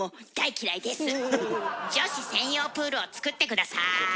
女子専用プールをつくって下さい。